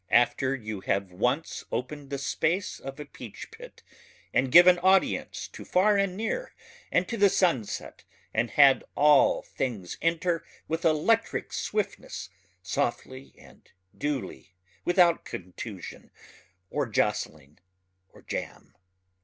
after you have once just opened the space of a peachpit and given audience to far and near and to the sunset and had all things enter with electric swiftness softly and duly without contusion or jostling or jam.